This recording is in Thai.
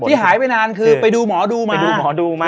ที่หายไปนานคือไปดูหมอดูมา